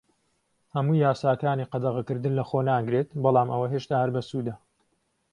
هەموو یاساکانی قەدەغەکردن لەخۆ ناگرێت، بەڵام ئەوە هێشتا هەر بەسوودە.